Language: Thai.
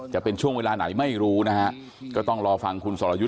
จะเป็นช่วงเวลาไหนไม่รู้นะฮะก็ต้องรอฟังคุณสรยุทธ์